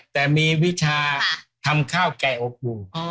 แต่มีวิชาทำข้าวไก่อบอุ่น